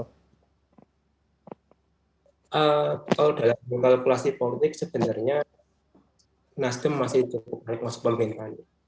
kalau dalam kalkulasi politik sebenarnya nasdem masih cukup baik masuk pemimpinan